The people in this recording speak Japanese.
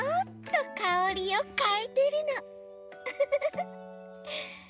ウフフフフ。